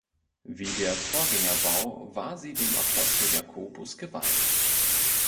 Wie der Vorgängerbau war sie dem Apostel Jakobus geweiht.